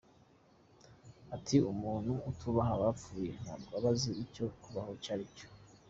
Ati “Umuntu utubaha abapfuye ntabwo aba azi icyo kubaho aricyo.